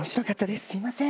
すみません。